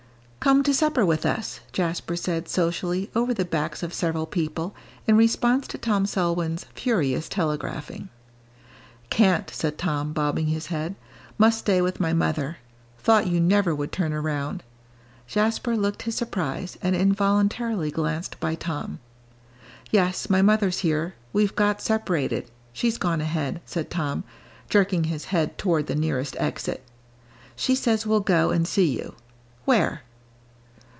"Come to supper with us," Jasper said socially over the backs of several people, in response to Tom Selwyn's furious telegraphing. "Can't," said Tom, bobbing his head; "must stay with my mother. Thought you never would turn around." Jasper looked his surprise, and involuntarily glanced by Tom. "Yes, my mother's here; we've got separated, she's gone ahead," said Tom, jerking his head toward the nearest exit. "She says we'll go and see you. Where?"